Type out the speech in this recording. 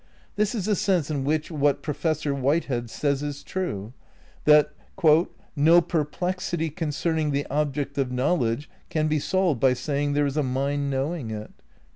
This is the sense in which what Professor Whitehead says is true, that "No perplexity concerning the object of knowledge can be solved by saying there is a mind knowing it.